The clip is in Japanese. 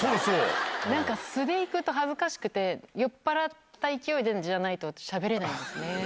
なんか素でいくと恥ずかしくて、酔っぱらった勢いじゃないとしゃべれないんですね。